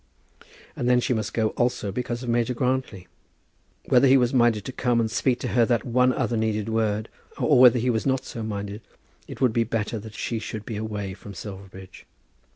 And then she must go also because of Major Grantly. Whether he was minded to come and speak to her that one other needed word, or whether he was not so minded, it would be better that she should be away from Silverbridge.